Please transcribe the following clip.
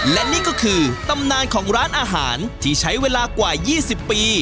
และนี่ก็คือตำนานของร้านอาหารที่ใช้เวลากว่า๒๐ปี